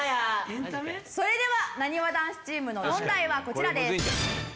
それではなにわ男子チームの問題はこちらです。